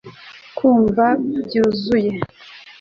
Kwumva byuzuye